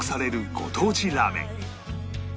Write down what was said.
ご当地ラーメン